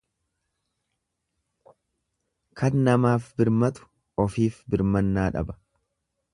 Kan namaaf birmatu ofiif birmannaa dhaba.